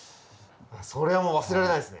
それはもう忘れられないですね。